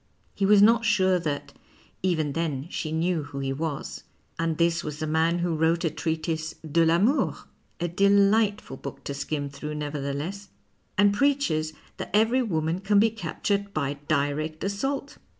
He was not sure that even then she knew who he was. And this was the man who wrote a treatise " Dc 1 'Amour " (a delight ful book to skim through, nevertheless), and preaches that every woman can be captured by direct assault